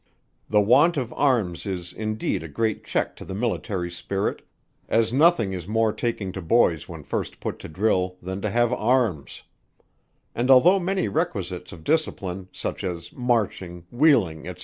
The want of arms is indeed a great check to the military spirit, as nothing is more taking to boys when first put to drill, than to have arms; and although many requisites of discipline, such as marching, wheeling, &c.